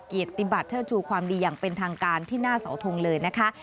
เกียรติบัติเชิดชูความดีอย่างเป็นทางการที่หน้าเสาทงเลยนะคะ